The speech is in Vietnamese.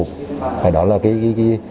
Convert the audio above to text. thế đó là cái